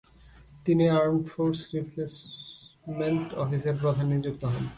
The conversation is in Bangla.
তিনি আর্মড ফোর্স রিপ্লেসমেন্ট অফিসের প্রধান নিযুক্ত হন।